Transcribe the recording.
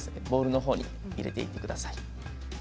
ボウルのほうに入れていってください。